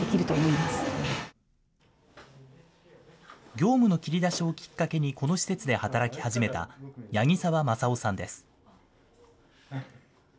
業務の切り出しをきっかけに、この施設で働き始めた八木沢昌夫さんです。